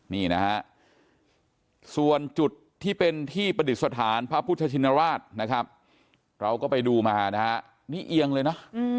นี่นะฮะส่วนจุดที่เป็นที่ประดิษฐานพระพุทธชินราชนะครับเราก็ไปดูมานะฮะนี่เอียงเลยนะ